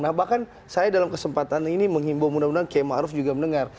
nah bahkan saya dalam kesempatan ini mengimbau mudah mudahan km arief juga mendengar